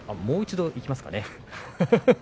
もう一度いきますかね。